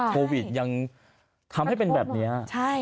โควิดยังทำให้เป็นแบบนี้